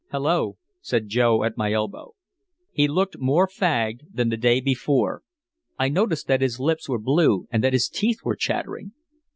"Hello," said Joe at my elbow. He looked more fagged than the day before. I noticed that his lips were blue and that his teeth were chattering.